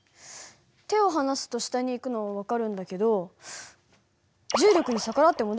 手を離すと下に行くのは分かるんだけど重力に逆らって戻ってくるんだもん。